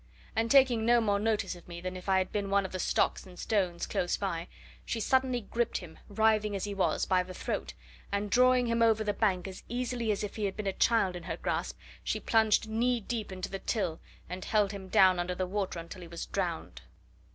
And taking no more notice of me than if I had been one of the stocks and stones close by, she suddenly gripped him, writhing as he was, by the throat, and drawing him over the bank as easily as if he had been a child in her grasp, she plunged knee deep into the Till and held him down under the water until he was drowned.